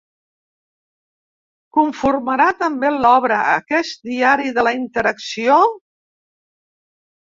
¿Conformarà també l'obra, aquest diari de la interacció?